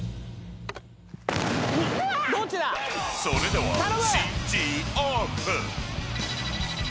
［それでは］